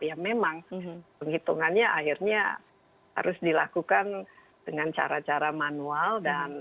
ya memang penghitungannya akhirnya harus dilakukan dengan cara cara manual dan